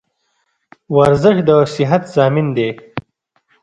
ورزش د صحت ضامن دی